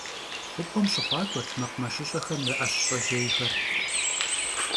Xhup'em şıxhuak'uert mekhumeşış'exem ya 'eş ş'ejêyxer.